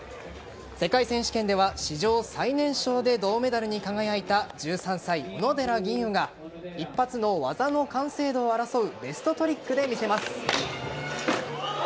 世界選手権では史上最年少で銅メダルに輝いた１３歳、小野寺吟雲が一発の技の完成度を争うベストトリックで見せます。